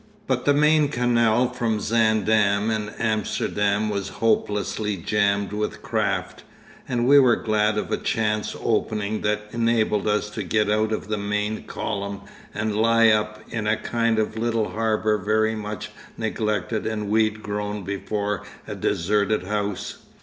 But the main canal from Zaandam and Amsterdam was hopelessly jammed with craft, and we were glad of a chance opening that enabled us to get out of the main column and lie up in a kind of little harbour very much neglected and weedgrown before a deserted house.